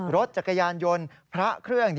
รถจักรยานยนต์พระเครื่อง